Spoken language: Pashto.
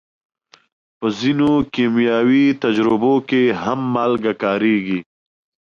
په ځینو کیمیاوي تجربو کې هم مالګه کارېږي.